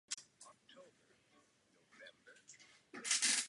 V pozdějších letech se věnoval grafické úpravě časopisu Tvar.